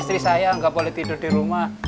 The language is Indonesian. istri saya nggak boleh tidur di rumah